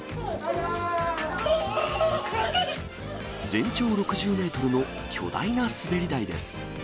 全長６０メートルの巨大な滑り台です。